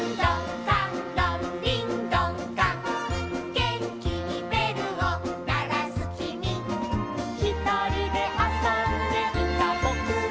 「げんきにべるをならすきみ」「ひとりであそんでいたぼくは」